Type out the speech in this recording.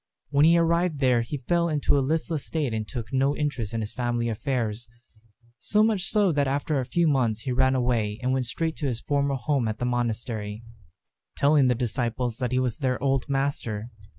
When he arrived there, he fell into a listless state and took no interest in his family affairs. So much so, that after a few months he ran away and went straight to his former home at the monastery, telling the disciples that he was their old master.